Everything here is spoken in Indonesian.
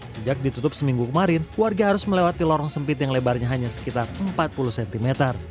sejak ditutup seminggu kemarin warga harus melewati lorong sempit yang lebarnya hanya sekitar empat puluh cm